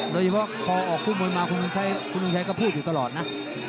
โดยเฉพาะพอออกคู่มวยมาคุณทงชัยก็พูดอยู่ตลอดนะ